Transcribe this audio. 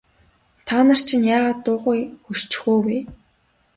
Та нар чинь яагаад дуугүй хөшчихөө вэ?